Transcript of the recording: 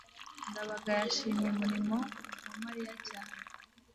ndabaga yashimye umurimo wa mariya cyane